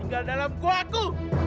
ini adalah tempatku